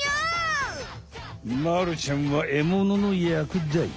まるちゃんはエモノのやくだ。